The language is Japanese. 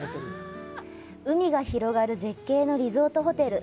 海が広がる絶景のリゾートホテル。